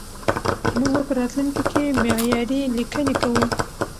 موږ به په راتلونکي کې معياري ليکنې کوو.